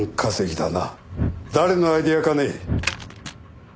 誰のアイデアかね？